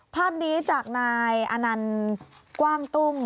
ภาพนี้จากนายอนันต์กว้างตุ้ง